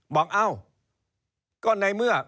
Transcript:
เอ้าก็ในเมื่อ